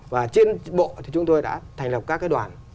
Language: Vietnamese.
và trên bộ thì chúng tôi đã thành lập các cái đoàn